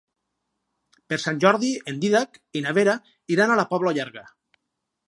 Per Sant Jordi en Dídac i na Vera iran a la Pobla Llarga.